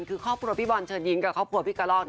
คือครอบครัวพี่บอลเชิญยิ้มกับครอบครัวพี่กะลอก